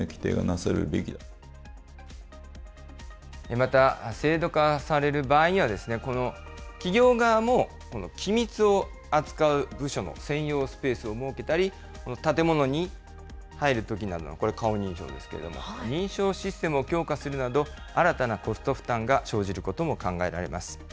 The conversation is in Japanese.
また、制度化される場合には、この企業側も機密を扱う部署の専用スペースを設けたり、建物に入るときなどのこれ、顔認証ですけれども、認証システムを強化するなど、新たなコスト負担が生じることも考えられます。